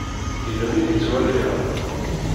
Yella win i ttwaliɣ.